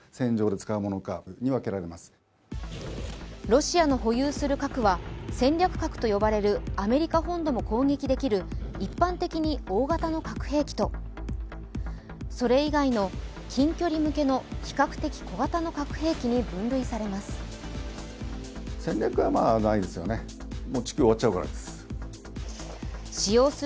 ロシアの保有する核は戦略核と呼ばれるアメリカ本土も攻撃できる一般的に大型の核兵器とそれ以外の近距離向けの比較的小型の核兵器に分類されます。